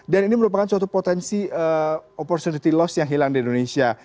ini merupakan suatu potensi opportunity loss yang hilang di indonesia